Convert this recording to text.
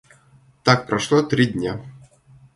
Так прошло три дня.